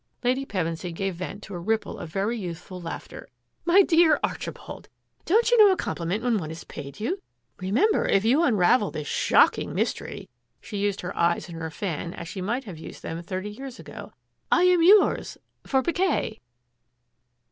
" Lady Pevensy gave vent to a ripple of very youthful laughter. " My dear — Archibald ! Don't you know a compliment when one is paid you? Remember, if you unravel this shocking mystery "— she used her eyes and her fan as she might have used them thirty years ago —" I am yours — for piquet